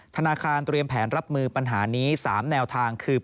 ธนาคารเตรียมแผนรับมือปัญหานี้๓แนวทางคือ